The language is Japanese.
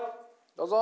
どうぞ！